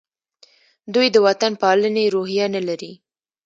دوی د وطن پالنې روحیه نه لري.